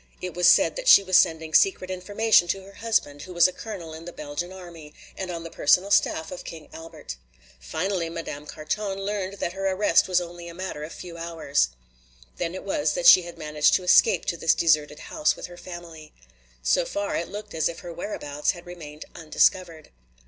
It was said that she was sending secret information to her husband, who was a colonel in the Belgian army and on the personal staff of King Albert. Finally Madame Carton learned that her arrest was only a matter of a few hours. Then it was that she had managed to escape to this deserted house with her family. So far it looked as if her whereabouts had remained undiscovered.